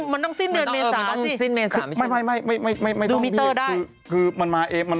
มันต้องสิ้นเดือนเมษาสิ